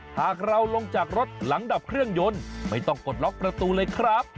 หากเราลงจากรถหลังดับเครื่องยนต์ไม่ต้องกดล็อกประตูเลยครับ